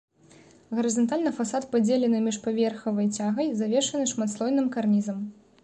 Гарызантальна фасад падзелены міжпаверхавай цягай, завершаны шматслойным карнізам.